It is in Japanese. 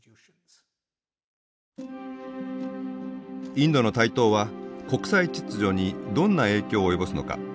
インドの台頭は国際秩序にどんな影響を及ぼすのか。